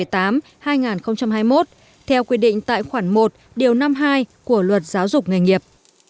trong một mươi tám hai nghìn hai mươi một theo quy định tại khoản một điều năm hai của luật giáo dục nghề nghiệp